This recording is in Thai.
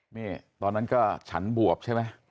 นี่ตอนนั้นก็ฉันบวบใช่ไหม